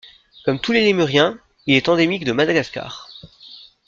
Comme tous les lémuriens, il est endémique de Madagascar.